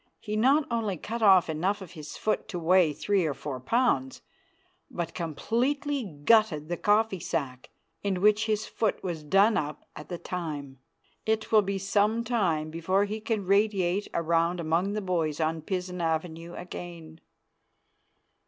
He not only cut off enough of his foot to weigh three or four pounds, but completely gutted the coffee sack in which his foot was done up at the time. It will be some time before he can radiate around among the boys on Pizen avenue again.